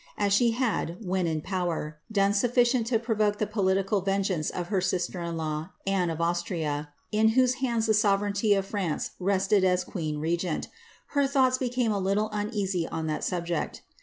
As she had, when in power, done sufficient to provoke the political vengeance of her sister in law, Anne of Austria, in whose hands the sovereignty of France rested as queen regent, her thoughts became a little uneasy on that sub ject.